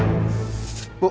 sekecil apapun harus disyukuri